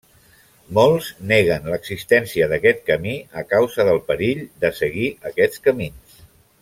Molts neguen l'existència d'aquest camí a causa del perill de seguir aquests camins.